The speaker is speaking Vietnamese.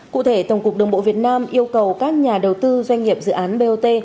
cụ thể tổng cục đường bộ việt nam yêu cầu các nhà đầu tư doanh nghiệp dự án bot